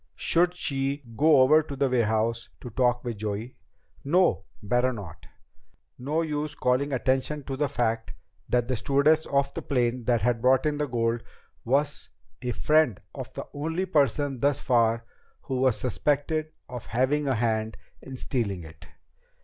Should she go over to the warehouse to talk with Joey? No, better not. No use calling attention to the fact that the stewardess of the plane that had brought in the gold was a friend of the only person thus far who was suspected of having a hand in stealing it.